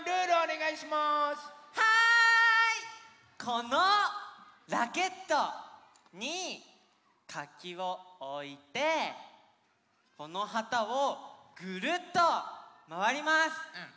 このラケットにかきをおいてこのはたをぐるっとまわります。